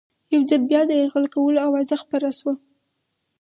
یو ځل بیا د یرغل کولو آوازه خپره شوه.